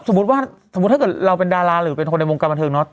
สมมุติว่าสมมุติถ้าเกิดเราเป็นดาราหรือเป็นคนในวงการบันเทิงเนาะ